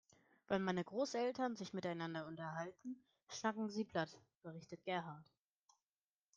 Wenn meine Großeltern sich miteinander unterhalten, schnacken sie platt, berichtet Gerhard.